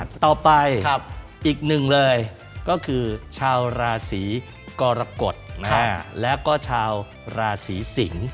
ต่อไปอีกหนึ่งเลยก็คือชาวราศีกรกฎแล้วก็ชาวราศีสิงศ์